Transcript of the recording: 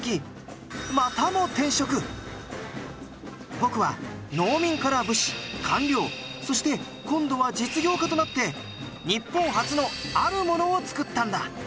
僕は農民から武士官僚そして今度は実業家となって日本初のあるものを作ったんだ！